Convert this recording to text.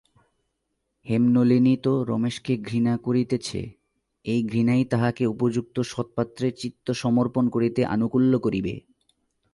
হেমনলিনী তো রমেশকে ঘৃণা করিতেছে–এই ঘৃণাই তাহাকে উপযুক্ত সৎপাত্রে চিত্তসমর্পণ করিতে আনুকূল্য করিবে।